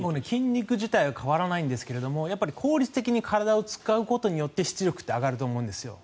筋肉自体は変わらないんですが効率的に体を使うことによって出力って上がるんだと思うんです。